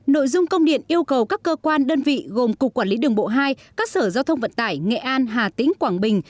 nội dung công điện yêu cầu các cơ quan đơn vị gồm cục quản lý đường bộ hai các sở giao thông vận tải nghệ an hà tĩnh quảng bình